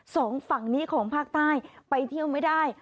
สองฝั่งนี้ของภาคใต้ไปเที่ยวไม่ได้